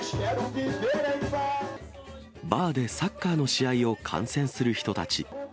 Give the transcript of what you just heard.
バーでサッカーの試合を観戦する人たち。